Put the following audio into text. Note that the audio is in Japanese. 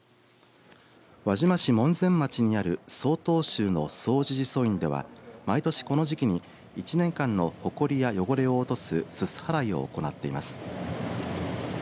輪島市門前町にある曹洞宗の総持寺祖院では、毎年この時期に１年間のほこりや汚れを落とすすす払いを行っています。